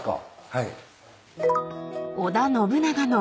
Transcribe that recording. はい。